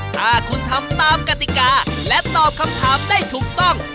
ถ้าคุณทำตามกติกาและตอบคำถามได้ถูกต้อง